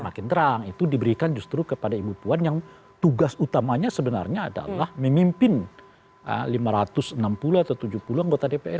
makin terang itu diberikan justru kepada ibu puan yang tugas utamanya sebenarnya adalah memimpin lima ratus enam puluh atau tujuh puluh anggota dpr